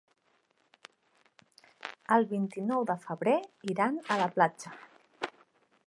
El vint-i-nou de febrer iran a la platja.